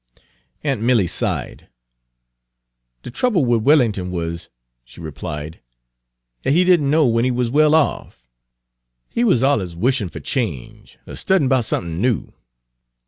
Aunt Milly sighed. "De trouble wid Wellin'ton wuz," she replied, "dat he did n' know when he wuz well off. He wuz alluz wishin' fer change, er studyin' 'bout somethin' new."